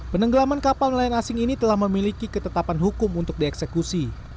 penenggelaman kapal nelayan asing ini telah memiliki ketetapan hukum untuk dieksekusi